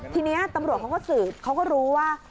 ทีนี้ตำรวจเขาก็สืบเขาก็รู้ว่า